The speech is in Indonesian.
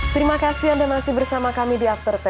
terima kasih anda masih bersama kami di after sepuluh